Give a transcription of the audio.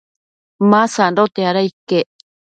ma sandote, ada iquec